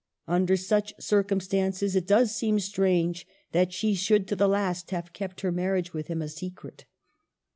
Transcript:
Under such circumstances, it does seem strange that she should to the last have kept her marriage with him a secret.